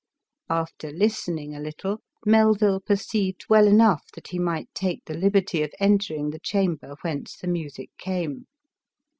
After listening a little, Melville perceived well enough that he might take the liberty of entering the chambej whence the music came.